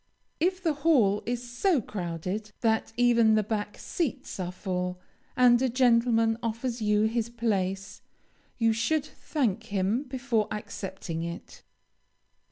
If the hall is so crowded that even the back seats are full, and a gentleman offers you his place, you should thank him before accepting it.